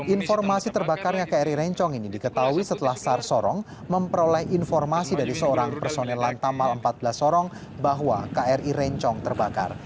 informasi terbakarnya kri rencong ini diketahui setelah sar sorong memperoleh informasi dari seorang personel lantamal empat belas sorong bahwa kri rencong terbakar